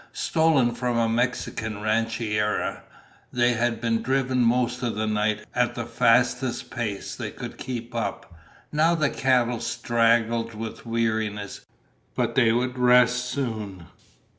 Stolen from a Mexican rancheria, they had been driven most of the night at the fastest pace they could keep up. Now the cattle staggered with weariness. But they would rest soon.